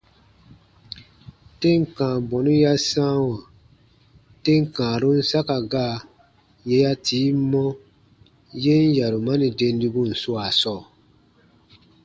Tem kãa bɔnu ya sãawa tem kãarun saka gaa yè ya tii mɔ yen yarumani dendibun swaa sɔɔ.